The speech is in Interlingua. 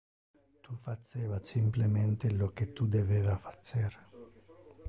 Tu faceva simplemente lo que tu debeva facer.